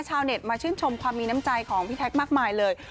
ชาวเน็ตมาชื่นชมความมีน้ำใจของพี่แท็กมากมายเลย